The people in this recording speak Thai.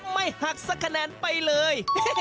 ไม่หักสักคะแนนไปเลย